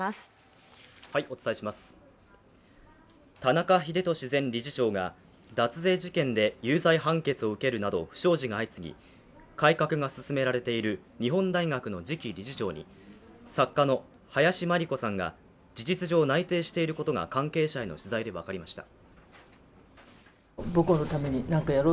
田中英寿前理事長が脱税事件で有罪判決を受けるなど不祥事が相次ぎ、改革が進められている日本大学の次期理事長に作家の林真理子さんが事実上、内定していることが関係者への取材で分かりました。